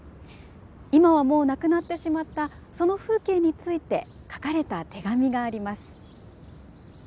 今はもうなくなってしまったその風景について書かれた手紙があります。